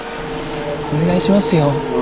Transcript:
お願いしますよ。